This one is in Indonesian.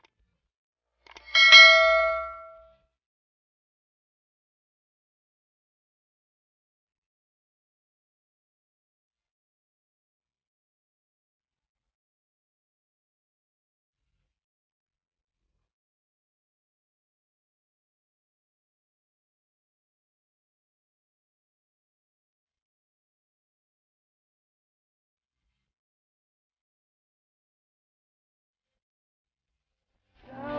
ya allah tolong jangan sakitkan